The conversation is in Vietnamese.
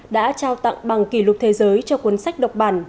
đã trao tặng bằng kỷ lục thế giới cho cuốn sách độc bản